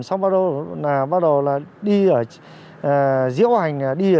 xong bắt đầu đi ở diễu hành đi ở trên các giao lô